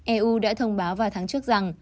eu đã thông báo vào tháng trước rằng